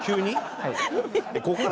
はい。